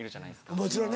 もちろんね。